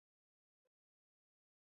لیوه خپله ډله رهبري کوي.